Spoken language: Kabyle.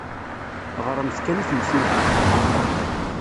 Ɣremt kan i temsulta.